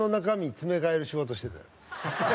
詰め替える仕事しててん。